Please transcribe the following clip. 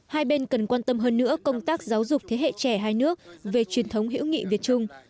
hai bên cần quan tâm hơn nữa công tác giáo dục thế hệ trẻ hai nước về truyền thống hữu nghị việt trung